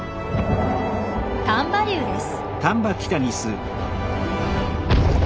丹波竜です。